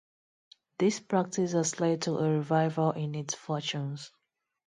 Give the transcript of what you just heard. This practice has led to a revival in its fortunes.